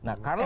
nah kalau dia